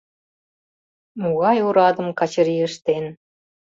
Могай орадым Качырий ыштен?..